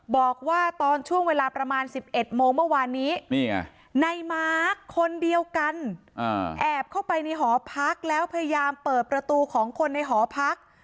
บอกว่าตอนช่วงเวลาประมาณ๑๑โมงเมื่อวานนี้ในมาร์คคนเดียวกันแอบเข้าไปในหอพักแล้วพยายามเปิดประตูของคนในหอพัก